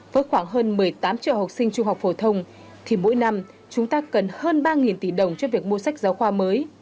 với khoảng hơn một mươi tám triệu học sinh trung học phổ thông thì mỗi năm chúng ta cần hơn ba tỷ đồng cho việc mua sách giáo khoa mới